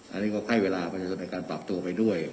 อันนี้ก็ให้เวลาประชาชนในการปรับตัวไปด้วย